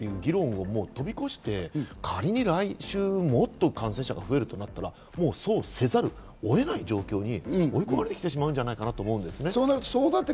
そういう案がいいのか悪いのか、もう飛び越して、来週、感染者が増えるとなったら、そうせざるを得ない状況に追い込まれてしまうんじゃないかと思いますね。